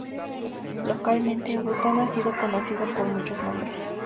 Localmente, Bután ha sido conocido por muchos nombres.